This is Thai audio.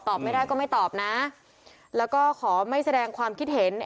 ไม่ได้ก็ไม่ตอบนะแล้วก็ขอไม่แสดงความคิดเห็น